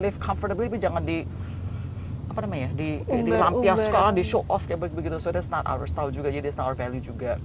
live comfortably tapi jangan di lampias sekali di show off jadi itu bukan style kita jadi itu bukan nilai kita juga